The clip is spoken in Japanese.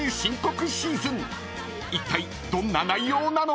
［いったいどんな内容なのか］